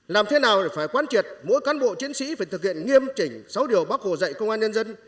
làm thế nào để phải quan triệt mỗi cán bộ chiến sĩ phải thực hiện nghiêm chỉnh sáu điều bác hồ dạy công an nhân dân